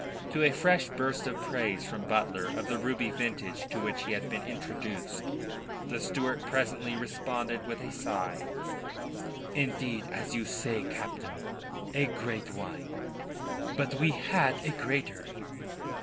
To a fresh burst of praise from Butler of the ruby vintage to which he had been introduced, the steward presently responded with a sigh: "Indeed, as you say, Captain, a great wine. But we had a greater."